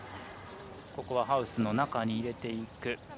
ここはハウスの中に入れていく。